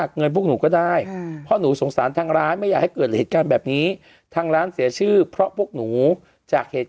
เขาก็ไม่ได้ตั้งใจอะโดย